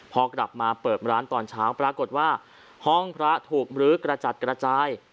พอกลับมาเปิดร้านตอนเช้าปรากฏว่าห้องพระถูกมรื้อกระจัดกระจาย